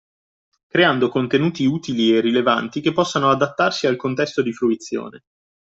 Creando contenuti utili e rilevanti che possano adattarsi al contesto di fruizione.